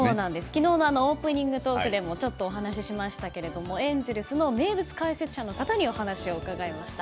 昨日のオープニングトークでもちょっとお話ししましたけどエンゼルスの名物解説者の方にお話を伺いました。